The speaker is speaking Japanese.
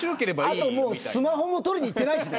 あとスマホも取りに行ってないし。